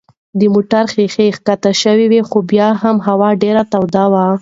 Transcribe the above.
د موټر ښيښې کښته شوې وې خو بیا هم هوا ډېره توده وه.